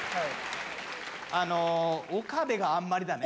あの岡部があんまりだね。